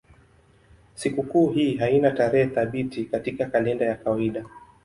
Sikukuu hii haina tarehe thabiti katika kalenda ya kawaida.